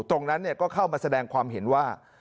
ตรงนั้นก็เข้ามาแสดงความเห็นว่า